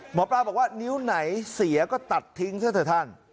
หมอปลาบอกว่านิ้วไหนเสียก็ตัดทิ้งซะเถอะท่าน